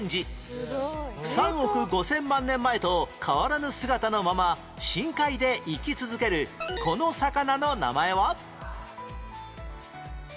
３億５０００万年前と変わらぬ姿のまま深海で生き続けるこの魚の名前は？